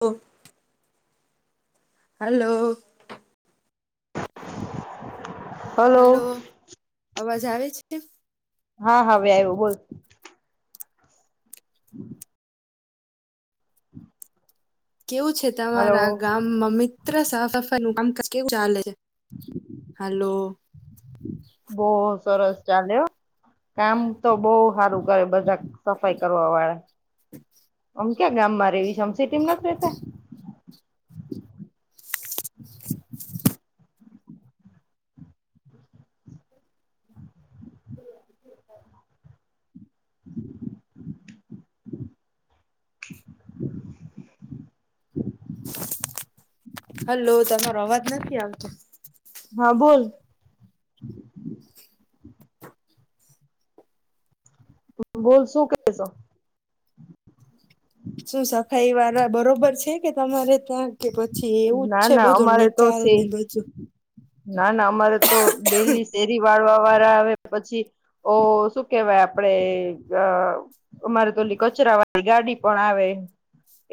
ઓ hello. Hello અવાજ આવે છે હા હા હવે આવ્યો બોલ. [inaudible] કેવું છે હલો તમારા ગામ મમી [unintelligible] કેવું ચાલે છે હલો બો સરસ ચાલે હા કામ તો બઉ સારું કરે બધા સફાઈ કરવા વાળા આમ ક્યાં ગામ માં રવી છેમ સિટી માં નથી રેતા. [inaudible] હ બ [inaudible] [inaudible] હલો તમારો અવાજ નથી આવતો. હા બોલ [inaudible] બોલ શું કરો છો? શું સફાઈ વાળા બરોબર છે કે તમારે. ત્યાં કે પછી એવું જ ના છે ના બધું અમારે તો નિકાલ સે ને બધું ના ના અમારે તો ડેલી શેરી વાળવા વાળા આવે પછી ઓ શું કેવાય આપડે અ અમારે તોલી કચરા વાળી ગાડી પણ આવે.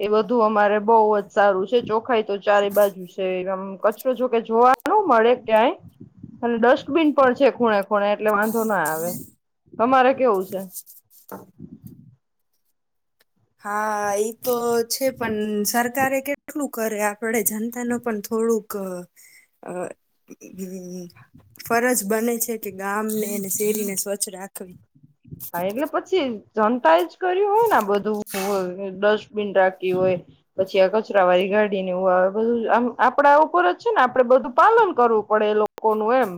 એ બધું અમારે બહુ જ સારું. છે ચોખાઈ તો ચારે બાજુ છે આમ કચરો જો કે જોવા ન મળે ક્યાંય અને ડસ્ટબીન પણ છે ખૂણા ખૂણા એટલે વાંધો ના આવે તમારે કેવું છે? હા એ તો છે પણ સરકારે કેટલું કરે આપડે જનતા નું પણ થોડુંક ફરજ બને છે કે ગામને અને શેરીને સ્વચ્છ રાખવી. હા એટલે પછી જનતા એ જ કર્યું હોય ને બધું ડસ્ટબીન રાખ્યું હોય પછી આ કચરા વાળી ગાડી નેવું આવ ધુ આપડા ઉપર જ છે ને આપડે બધું પાલન કરવું પડે એ લો કોનું એમ.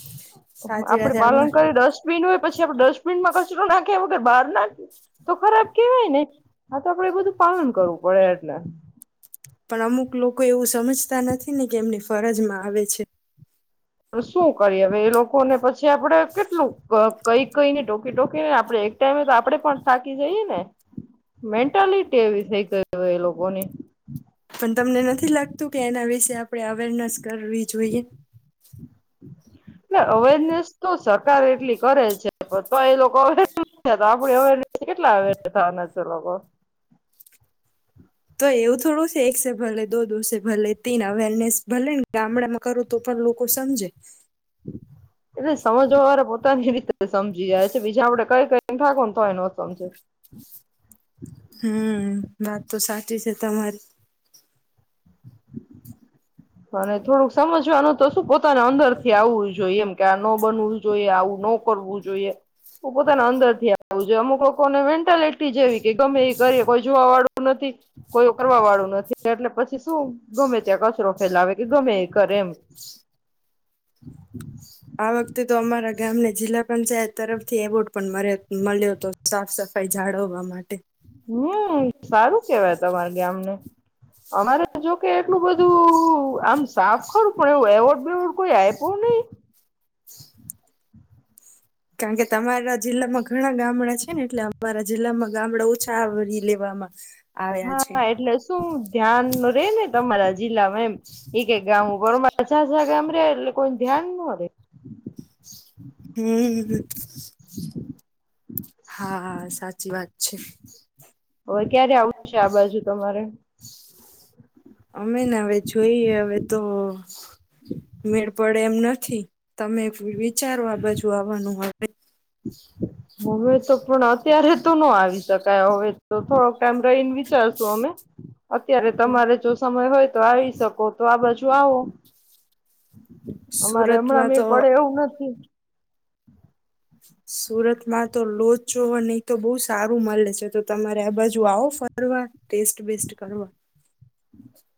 [inaudible] સાચી આપડે વાત અમા પાલન કરી ડસ્ટબિન હોય પછી આપડે ડસ્ટબ ડસ્ટબિન મા કચરો નાખ્યા વગર બહાર નાખ તો ખરાબ કેવાય ને, આ તો આપડે એ બધું પાલન કરવું પડે એટલે પણ અમુક લોકો એવું સમજતા નથી ને કે એમની ફરજમાં આવે છે શું કરીએ હવે એ લોકો ને પછી આપણે કેટલું કઈ, કઈને ટોકી, ટોકી આપે એક ટાઈમે તો આપણેે પણ થાકી જઈએ ને મેન્ટાલિટી એવી થઈ ગઈ હો એ લોકોની પણ તમને નથી લાગતું કે એના વિશેે આપણે અવેરનેસ કરવી જોઈએ એટલે અવેરનેસ તો સરકાર એટલી કરે છે તોય લોકો [unintelligible] આપણી અવેરનેસ [unintelligible] લોકો [inaudible] તો એવું થોડું સે એક સે ભલે દો, દોસે ભલે તીન, અવેરનેસ ભલે ને ગામડામાં કરો તો પણ લોકો સમજે એટલે સમજવા વાળ પોતાની રીતે સમજી જાય છે બીજા આપડે કઈ કઈને ઠાકો તોય ન સમજે હમ, વાત તો સાચી છે તમારી અને થોડુંક સમજવાનું તો શું પોતાને અંદર થી આવવું જોઈએ એમ કે આ ન બનવું જોઈએ આવું ન કરવું જોઈએ હું પોતાના અંદર થી આવું જોઈએ અમુક લોકોને મેન્ટાલિટી જેવી કે ગમે એ કરીએ કોઈ જોવા વાળું નથી કોઈ કરવા વાળું નથી એટલે પછી શું ગમે ત્યાં કચરો ફેલાવે કે ગમે એ કરે એમ આ વખતે તો અમારા ગામને જિલ્લા પંચાયત તરફથી એવોર્ડ પણ મલ્યો હતો સાફ સફાઈ જાળવવા માટે હમ્મ, સારું કેવાય તમારે ગામને. અમારે જોકે એટલું બધું આમ સાફ ખરું પણ એવું એવોર્ડ બેવોર્ડ કોઈ આપ્યું નઈ. કારણ કે તમારા જિલ્લામાં ઘણા ગામડા છે ને એટલે અમારા જિલ્લામાં ગામડા ઓછા આવરી લેવામાં આવ્યા છે હા, એટલે શું ધ્યાન રેય ને તમારા જિલ્લામાં એમ એક ગામ [unintelligible] કોઈ ધ્યાન નો રે. હમ્મ. હા, સાચી વાત છે. હવે ક્યારે આઉં છે આ બાજુ તમારે? અમે ને હવે જોઈએ હવે તો મેળ પડે એમ ન થી તમે ફીવી ચારો આ બાજુ આવાનું હોય [unintelligible] હવે તો પણ અત્યારે તો નો આવી શકાય હવે તો થોડોક ટાઈમ રહીને વિચારશું અમે અત્યારે તમારે જો સમય હોય તો આવી શકો તો આ બાજુ આવો. અમારે હમણાં સુરતમાં મેડ તો પડે એવું નથી. સુરતમાં તો લોચચો નહી તો બો સારું મળે છે તો તમારે આ બાજુ આવો ફરવા, ટેસ્ટ બેસ્ટ કરવા.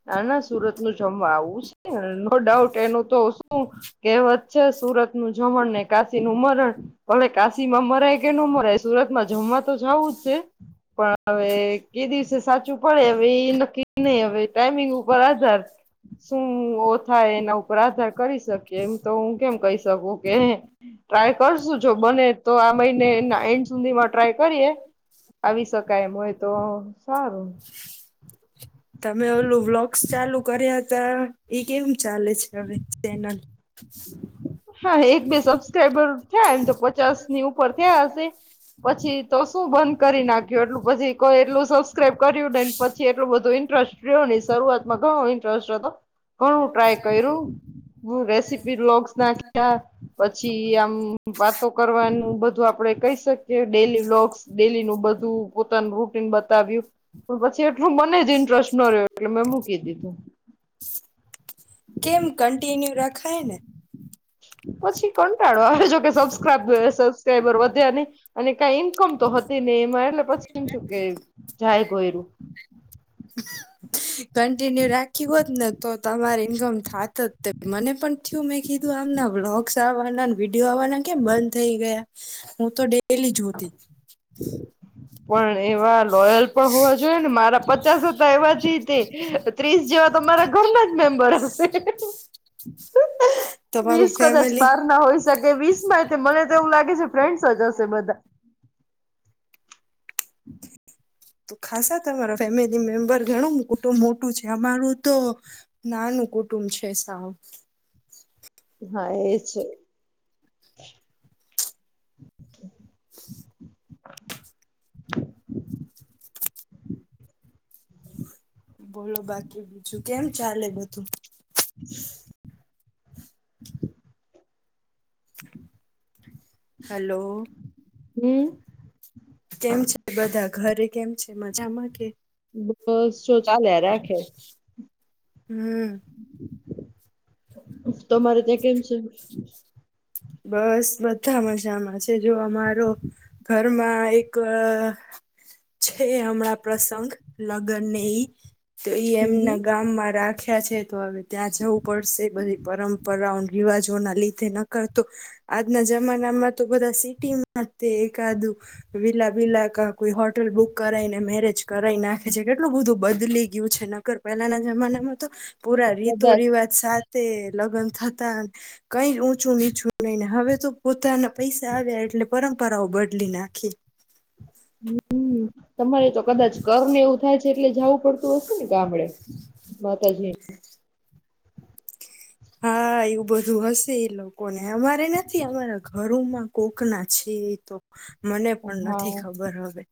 ના ના સુરત નું જમવા આવુશ નો ડાઉટ એનું તો કહેવત છે સુરત નું જમણ ને કાશી નું મરણ કલે કાશીમાં મરાય કે ન મરાય સુરતમાં જમવા તો જવું જ છે પણ હવે કે દિવસે સાચું પડે હવે એ નક્કી નહી હવે ટમિંગ ઉપર આધાર શું થાય એના ઉપર આધાર કરી શકીએ એમ તો હું કેમ કહી શકું કે ટ્રાય કરશું જો બને તો આ મહિને એન્ડ સુધીમાં ટ્રાય કરીએ આવી શકાય એમ હોય તો સારું અમે ઓલું વ્લોગ્સ ચાલુ કર્યા હતા એ કેમ ચાલે છે હવે ચેનલ હા એક બે સબસ્ક્રાઈબર થયા એમ તો પચાસ ની ઉપર થયા હશે પછી તો શું બંધ કરી નાખ્યું એટલું પછી કોઈ એટલું સબસ્ક્રાઈબ કર્યું ને પછી એટલું બધું ઇન્ટરેસ્ટ રહ્યો નહી શરૂઆતમાં ઘણો ઇન્ટરેસ્ટ હતો ઘણું ટ્રાય કર્યું હું રેસીપી બ્લોગસ નાખી પછી આમ વાતો કરવાનું બધું આપડે કહી શકીએ ડેલી્લોગસ ડેલી નું બધું પોતાનું રૂટીન બતાવ્યું પણ પછી એટલું મને જ ઇન્ટરેસ્ટ ન રહ્યો એટલે મેં મૂકી દીધું કેમ કન્ટિન્યુ રખાય ને પછી કંટાળો આવે જો કે સબસ્ક્રાઈબ સબસ્ક્રાઈબર વધ્યા ન અને કઈ ઈન્કમ તો હતી ને એમાં એટલે પછી એમ કે જાય કોઈું કન્ટિન્યુ રાખ્યું હોત ને તો તમાર ઈન્કમ થત જ મને પણ થયું મેં કીધું આમના બ્લોગસ આવવાના વિડીયો આવવાના કેમ બંધ થઈ ગયા હું તો ડેલી જોતી પણ એવા લોયલ પણ હોવા જોઈએ ને મારા પચાસ હતા એવાથી તે ત્રીસ જેવારા ઘરના જ મેમ્બર હશે તમારું વીસ કદાચ ફેમિલી બાર ના હોય શકે વીસ માં મને તો એવું લાગે છે ફ્રેન્ડસ જ હશે બધા [unintelligible] તો ખાસા તમારા ફેમિલી મેમ્બર ઘણું કુટુંબ મોટું છે અમારું તો નાનું કુટુંબ છે સાવ હા એ છે બોલો બાકી કે બીજું કેમ ચાલે બધું હેલો હમ કેમ છે એ બધા ઘરે કેમ છે મજામાં કે બસ જો ચાલે રાખે હમ તમારે ત્યાં કેમ છે બસ બધા મજામાં છે જો અમારો ઘરમાં એક છે હમણાં પ્રસંગ લગ્નને તો એમ હમ હમ ના ગામ મારા ખ્યા છે તો હવે ત્યાં જવું પડશે બી પરંપરાઓ રિવાજો ના લીધે નકર તો આજના જમાનામાં તો બધા સિટીમાં તે એકાદું વિલા બીલા ક કોઈ હોટલ બુક કરાવાઈને મેરેજ કરાઈ નાખે છે કેટલું બધું બદલી ગયું છે નકર પહેલાના જમાનામાં તો પુરા રીતો કદાચ રિવાજ સા તે લગ્ન થતા કઈ ઊંચું નીચું નઈ ને હવે તો પોતાના પૈસા આવ્યા એટલે પરંપરાઓ બદલી નાખી હમ તમારે તો કદાચ કર ને એવું થાય છે એટલે જવું પડતું તું હ ને ગાામડ બતા જે હા એવું બધું હશે એ લોકોને અમારે નથી અમારા ઘરોમાં કોકના છે એ તો મને પણ હા નથી ખબર હવે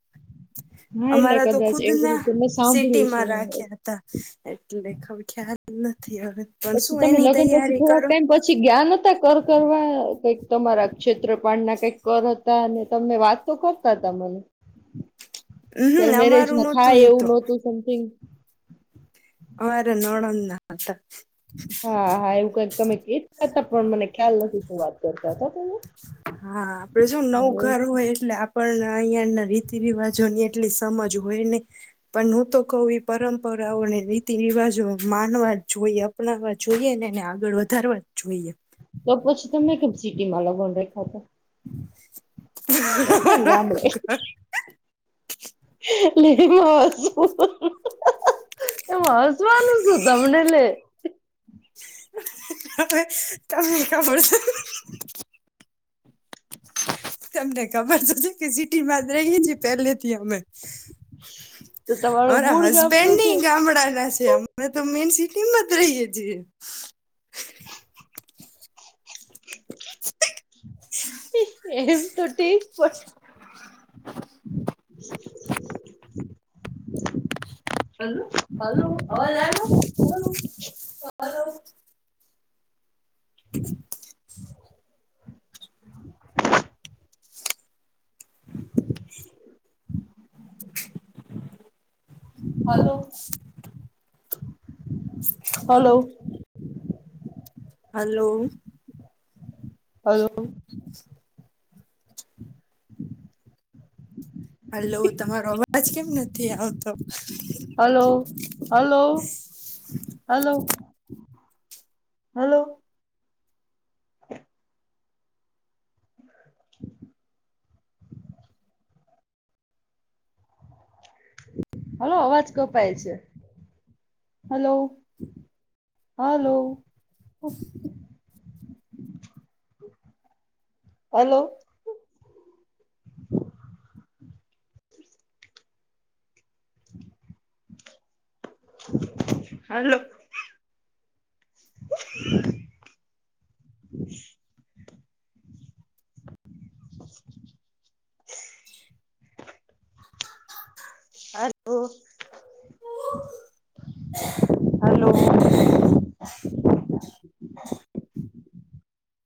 હા એટલે અમારા તો કદાચ એવી ખુદના રીતે મેં સિટીમાં સાંભળ્યું છે રાખ્યા હતા એટલેખખ હવે પણ પછી શું તમે એની પછી તૈયારી થોડાક કરો ટાઈમ પછી જ્ઞાન હતા કર કરવા કઈક. તમારા ક્ષેત્રપળ ના કઈક કર હતા અને તમે વાત તો કરતા હતા મને. [inaudible] હમ ત્યારે મેરેજ અમારું ના નહોતું થાય એ એવું તો નહોતું સમથિંગ. હ ર નોડ ના હા હા એવું કઈક તમે કતા હતા પણ મને ખ્યાલ નથી શું વાત કરતા. તમે હા આપડે શું નવું હમ. ઘર હોય એટલે આપણ અહં ના રીતિ રિવાજો ની એટલી સમજ હોય નને, પણ હું તો કઉ પરંપરાઓને રીતિ રિવાજો માનવા જ જોઈએ અપનાવવા જોઈએ ને એને આગળ વધારવા જ જોઈએ. તો પછી તમે કબ સિટીમાં લોગોન રખા હતા? ઓછ ને ગામડ ટ લેસવું એ હજવાનું છું તમને લે. ક ક પ છે [unintelligible] તમને ખબર તોશે કે સિટીમાં રહીએ છીએ પેલે થી અમે, તો તમારું અમારા મૂળ ગામ તો છે હસબેન્ડની ગામડાના છે અમે તો મેન સ હિમત રહીએ જ [inaudible] એમ તો ઠીક પણ હલો અવાજ આવ્યો hello [inaudible] [inaudible] hello [inaudible] hello hello hello hello તમારો અવાજ કેમ નથી આવતો હલો હલો હલો [inaudible] હલો અવાજ કપાય છે હલો હલો હલો [inaudible] હાલો. [unintelligible] Hello, hello.